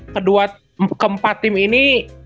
kedua keempat tim ini